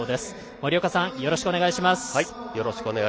森岡さん、よろしくお願いします。